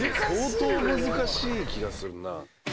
相当難しい気がするな。